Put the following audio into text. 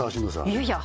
いやいや